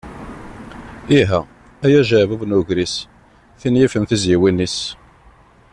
Iha, ay ajeɛbub n ugris, tin yifen tizyiwin-is.